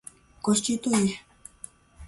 constituir